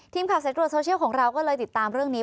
ทีมคลับใส่ตัวโซเชียลของเราก็เลยติดตามเรื่องนี้